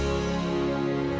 ingin jadi terharu